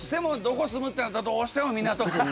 どこ住むってなったらどうしても港区。